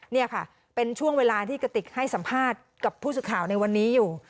นี่ค่ะเป็นช่วงเวลาที่กระติกให้สัมภาษณ์กับผู้สื่อข่าวในวันนี้อยู่